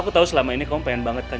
aku tau selama ini kamu pengen banget kan